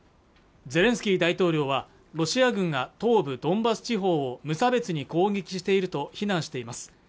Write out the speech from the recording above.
ゼレンスキー大統領はロシア軍が東部ドンバス地方を無差別に攻撃していると非難しています